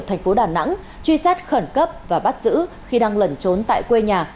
thành phố đà nẵng truy xét khẩn cấp và bắt giữ khi đang lẩn trốn tại quê nhà